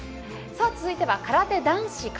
続いては、空手男子形。